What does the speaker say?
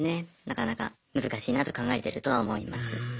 なかなか難しいなと考えてるとは思います。